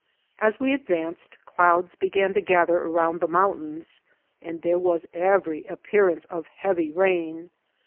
As we advanced, clouds began to gather around the mountains, and there was every appearance of heavy rain.